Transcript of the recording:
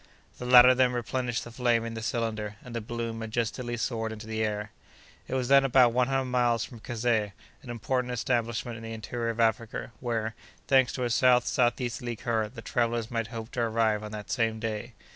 The latter then replenished the flame in the cylinder, and the balloon majestically soared into the air. It was then about one hundred miles from Kazeh, an important establishment in the interior of Africa, where, thanks to a south southeasterly current, the travellers might hope to arrive on that same day.